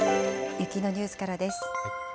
雪のニュースからです。